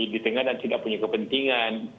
di tengah dan tidak punya kepentingan